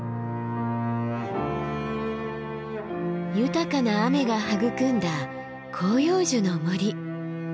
豊かな雨が育んだ広葉樹の森。